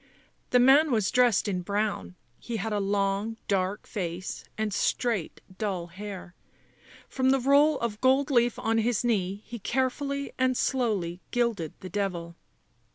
The man was dressed in brown ; he had a long dark face and straight dull hair ; from the roll of gold leaf on his knee he carefully and slowly gilded the devil.